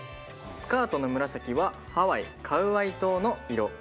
スカートの紫はハワイカウアイ島の色。